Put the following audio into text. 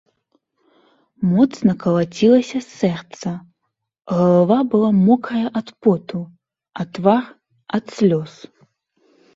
Моцна калацілася сэрца, галава была мокрая ад поту, а твар ад слёз.